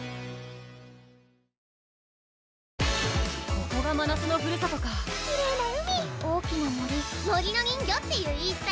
ここがまなつのふるさとかきれいな海大きな森森の人魚っていう言いつたえがあるんだよ